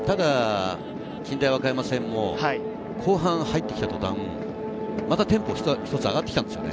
近大和歌山戦も後半入ってきた途端、テンポ、一つ上がってきたんですよね。